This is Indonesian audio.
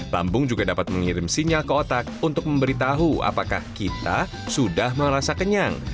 lambung juga dapat mengirim sinyal ke otak untuk memberitahu apakah kita sudah merasa kenyang